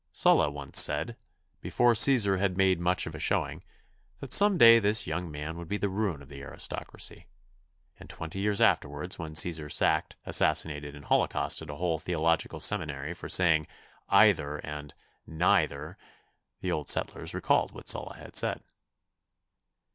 Sulla once said, before Cæsar had made much of a showing, that some day this young man would be the ruin of the aristocracy, and twenty years afterwards when Cæsar sacked, assassinated and holocausted a whole theological seminary for saying "eyether" and "nyether," the old settlers recalled what Sulla had said.